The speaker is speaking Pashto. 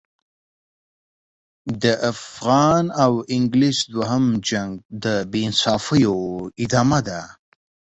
د افغان او انګلیس دوهم جنګ د بې انصافیو ادامه ده.